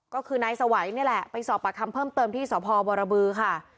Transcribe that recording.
ก็คือนายสวัยนี่แหละไปสอบปากคำเพิ่มเติมที่สพบรบือค่ะ